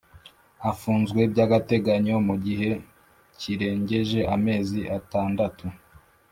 afunzwe by’agateganyo mu gihe kirengeje amezi atandatu